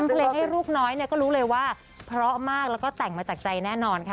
ก็เลยให้ลูกน้อยเนี่ยก็รู้เลยว่าเพราะมากแล้วก็แต่งมาจากใจแน่นอนค่ะ